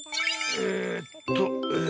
えっとえ。